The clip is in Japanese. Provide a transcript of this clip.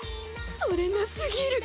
それなすぎる！